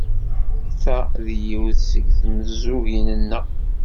Ta d yiwet seg tmezzugin-nneɣ.